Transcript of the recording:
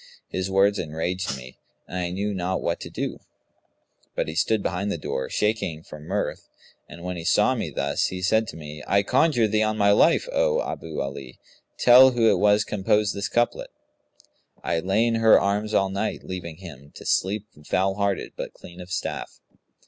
His words enraged me and I knew not what to do, but he stood behind the door, shaking for mirth; and, when he saw me thus, he said to me, 'I conjure thee on my life, O Abu Ali, tell who it was composed this couplet?, 'I lay in her arms all night, leaving him * To sleep foul hearted but clean of staff.'